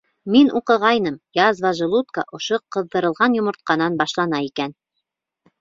Мин уҡығайным, язва желудка ошо ҡыҙҙырылған йомортҡанан башлана икән.